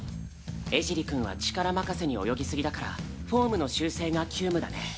江尻くんは力任せに泳ぎすぎだからフォームの修正が急務だね。